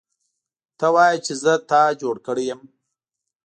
ته وایې چې زه تا جوړ کړی یم